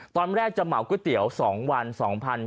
ตอนแรกจะเหมาก๋วยเตี๋ยวสองวันสองพัน